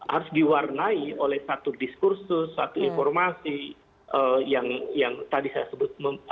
harus diwarnai oleh satu diskursus satu informasi yang tadi saya sebut